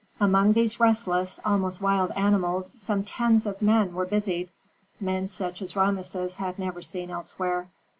Among these restless, almost wild animals, some tens of men were busied, men such as Rameses had never seen elsewhere.